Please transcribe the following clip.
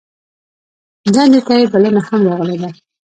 دندې ته یې بلنه هم راغلې ده.